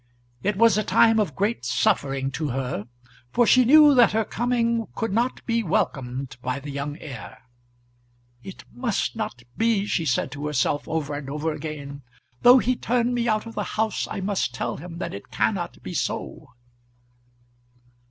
It was a time of great suffering to her, for she knew that her coming could not be welcomed by the young heir. "It must not be," she said to herself over and over again. "Though he turn me out of the house, I must tell him that it cannot be so."